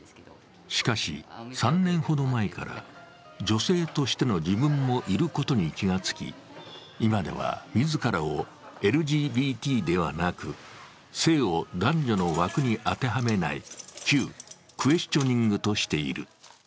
しかし３年ほど前から女性としての自分もいることに気がつき、今では自らをＬＧＢＴではなく、性を男女の枠に当てはめないＱ＝クエスチョニングとしている。